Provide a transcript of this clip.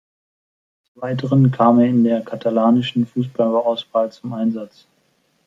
Des Weiteren kam er in der katalanischen Fußballauswahl zum Einsatz.